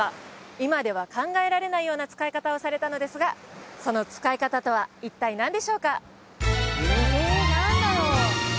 今では考えられないような使い方をされたのですがその使い方とは一体何でしょうか？